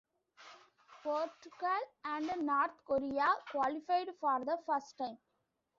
Portugal and North Korea qualified for the first time.